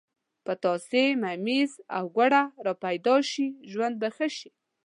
پتاسې، ممیز او ګوړه را پیدا شي ژوند به ښه شي.